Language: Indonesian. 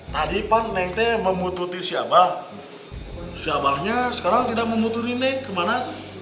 tadi pan ente memutuhi si abah siabanya sekarang tidak memutuhi kemana